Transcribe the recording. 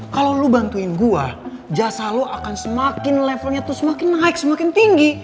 kalo lu bantuin gue jasa lu akan semakin levelnya tuh semakin naik semakin tinggi